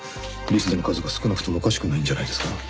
リストの数が少なくてもおかしくないんじゃないですか？